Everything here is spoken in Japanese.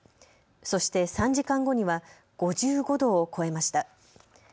そして３時間後には５５度を超えました。